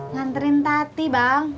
nganterin tati bang